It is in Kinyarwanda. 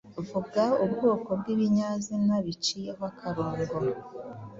Vuga ubwoko bw’ibinyazina biciyeho akarongo.